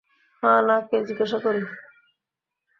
হা-না কে জিজ্ঞাসা করি।